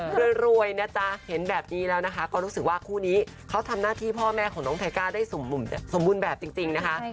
รวยนะจ๊ะเห็นแบบนี้แล้วนะคะก็รู้สึกว่าคู่นี้เขาทำหน้าที่พ่อแม่ของน้องไทก้าได้สมบูรณ์แบบจริงนะคะ